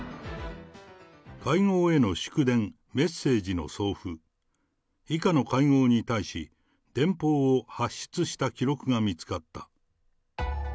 会合への祝電・メッセージの送付、以下の会合に対し、電報を発出した記録が見つかった。